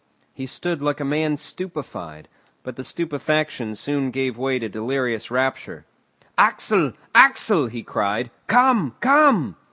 He stood like a man stupefied, but the stupefaction soon gave way to delirious rapture. "Axel, Axel," he cried. "Come, come!"